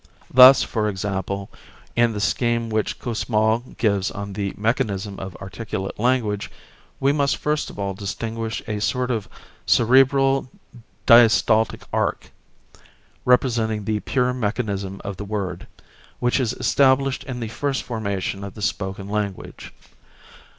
Thus for example in the scheme which Kussmaul gives on the mechanism of articulate language we must first of all distinguish a sort of cerebral diastaltic arc (representing the pure mechanism of the word), which is established in the first formation of the spoken language.